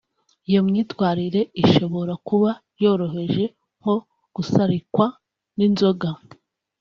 Iyo myitwarire ishobora kuba yoroheje nko gusarikwa n’inzoga